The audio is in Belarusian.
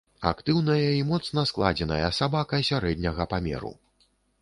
Актыўная і моцна складзеная сабака сярэдняга памеру.